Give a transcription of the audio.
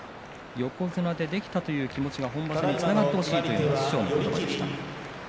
横綱とできたという気持ちが本場所につながってほしいという師匠の話でした。